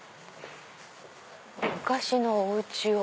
昔のお家を。